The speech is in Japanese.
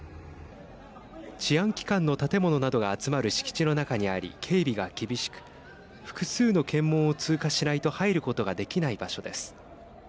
治安機関の建物などが集まる敷地の中にあり警備が厳しく複数の検問を通過しないと入ることができない場所です。